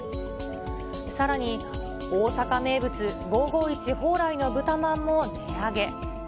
さらに大阪名物５５１ホーライの豚まんも値上げ。